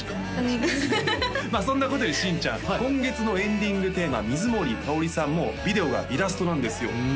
まあそんなことより新ちゃん今月のエンディングテーマ水森かおりさんもビデオがイラストなんですよふん